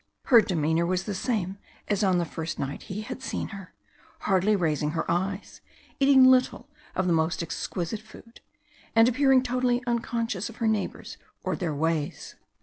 Her demeanour was the same as on the first night he had seen her, hardly raising her eyes, eating little of the most exquisite food, and appearing totally unconscious of her neighbours or their ways.